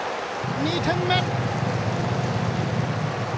２点目！